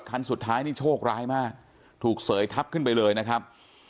คันสุดท้ายนี่โชคร้ายมากถูกเสยทับขึ้นไปเลยนะครับ